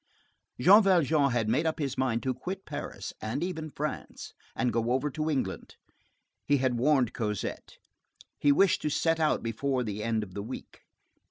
Jean Valjean had made up his mind to quit Paris, and even France, and go over to England. He had warned Cosette. He wished to set out before the end of the week.